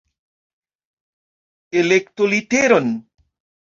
Elektu literon!